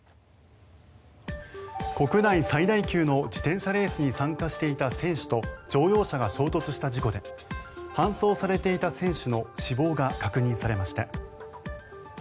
国内最大級の自転車レースに参加していた選手と乗用車が衝突した事故で搬送されていた選手の死亡が確認されました。